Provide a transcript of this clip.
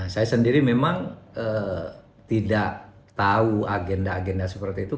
saya sendiri memang tidak tahu agenda agenda seperti itu